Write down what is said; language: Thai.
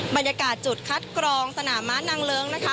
บรรยากาศจุดคัดกรองสนามม้านางเลิ้งนะคะ